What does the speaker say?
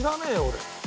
俺。